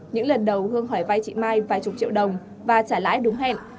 những lần đầu hương hỏi vay chị mai vài chục triệu đồng và trả lãi đúng hẹn